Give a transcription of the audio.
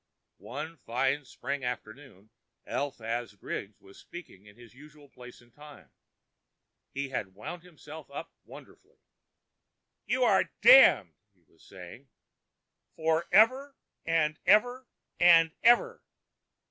One fine spring afternoon Eliphaz Griggs was speaking at his usual place and time; he had wound himself up wonderfully. "You are damned," he was saying, "for ever and ever and ever.